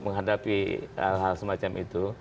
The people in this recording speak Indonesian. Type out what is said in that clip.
menghadapi hal hal semacam itu